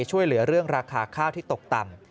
ช่วยเหลือเรื่องราคาข้าวที่ตกต่ำ